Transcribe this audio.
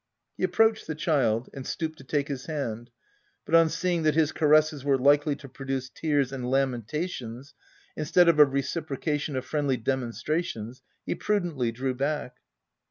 He ap proached the child and stooped to take his hand ; but, on seeing that his caresses were likely to produce tears and lamentations instead of a reciprocation of friendly demonstrations, he pru dently drew back.